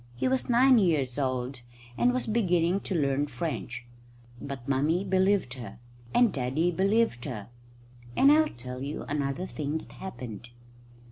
He was nine years old, and was beginning to learn French. But Mummy believed her, and Daddy believed her; and I'll tell you another thing that happened.